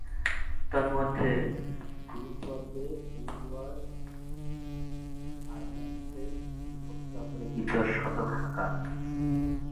তন্মধ্যে, গ্রুপ পর্বে উইন্ডওয়ার্ড আইল্যান্ডসের বিপক্ষে অপরাজিত শতক হাঁকান।